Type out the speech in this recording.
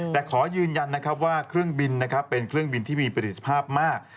แต่ขอยืนยันว่าเครื่องบินเป็นเครื่องบินที่มีประสิทธิภาพมาก